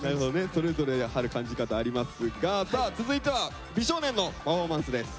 それぞれ春感じ方ありますがさあ続いては美少年のパフォーマンスです。